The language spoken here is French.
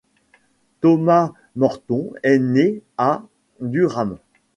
Thomas Morton est né à Durham.